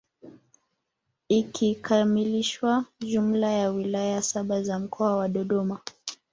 Ikikamilisha jumla ya wilaya saba za mkoa wa Dodoma